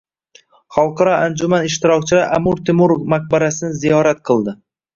Xalqaro anjuman ishtirokchilari Amir Temur maqbarasini ziyorat qildi